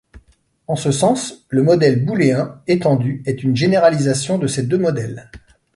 En ce sens, le modèle booléen étendu est une généralisation de ces deux modèles.